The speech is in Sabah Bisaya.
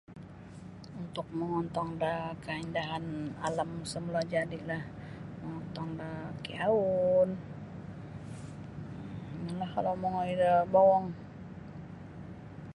Untuk mongontong da keindahan alam semulajadilah mongontong da kiyaun inolah kalau mongoi da bowong.